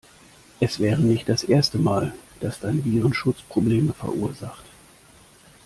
Es wäre nicht das erste Mal, dass dein Virenschutz Probleme verursacht.